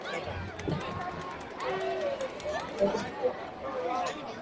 Crece en zonas boscosas y riveras de arroyos.